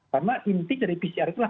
karena inti dari pcr itu adalah